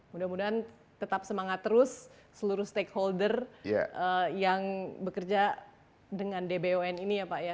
mudah mudahan tetap semangat terus seluruh stakeholder yang bekerja dengan dbon ini ya pak ya